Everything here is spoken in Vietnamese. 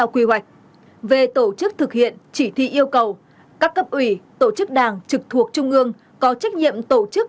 quy hoạch về tổ chức thực hiện chỉ thị yêu cầu các cấp ủy tổ chức đảng trực thuộc trung ương có trách nhiệm tổ chức